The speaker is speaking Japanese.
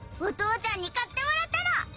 お父ちゃんに買ってもらったの！